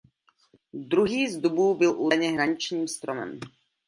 Druhý z dubů byl údajně hraničním stromem.